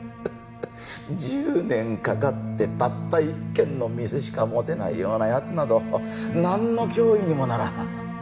１０年かかってたった一軒の店しか持てないような奴などなんの脅威にもならん。